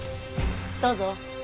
どうぞ。